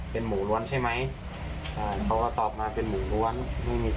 เป็นหมูล้วนใช่ไหม